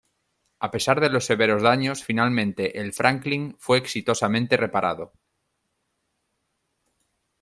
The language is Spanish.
A pesar de los severos daños, finalmente el "Franklin" fue exitosamente reparado.